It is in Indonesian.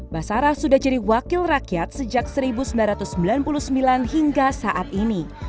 basarah sudah jadi wakil rakyat sejak seribu sembilan ratus sembilan puluh sembilan hingga saat ini